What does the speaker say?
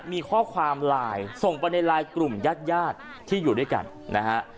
มีข้อความไลน์ส่งไปในไลน์กลุ่มญาติญาติที่อยู่ด้วยกันนะฮะ